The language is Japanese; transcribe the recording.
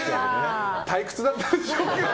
退屈だったでしょうけど。